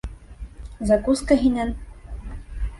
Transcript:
Закуска һинән.